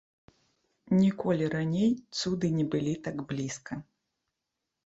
Ніколі раней цуды не былі так блізка.